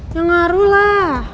ya ngaruh lah